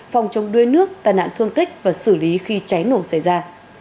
phòng chống đuối nước tai nạn thương tích và xử lý khi cháy nổ xảy ra